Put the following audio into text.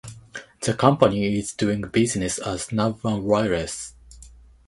The company is doing business as Navman Wireless.